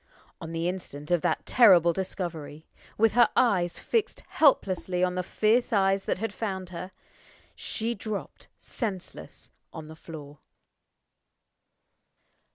On the instant of that terrible discovery with her eyes fixed helplessly on the fierce eyes that had found her she dropped senseless on the floor.